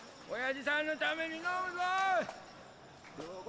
おやじさんのために飲むぞ！